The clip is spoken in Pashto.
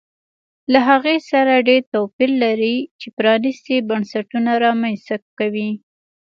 له هغې سره ډېر توپیر لري چې پرانیستي بنسټونه رامنځته کوي